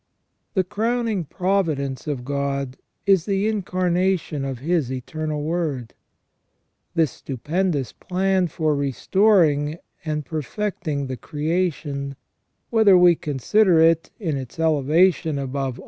The crowning providence of God is the Incarnation of His Eternal Word. This stupendous plan for restoring and per fecting the creation, whether we consider it in its elevation above CREA TION AND PRO VIDENCE.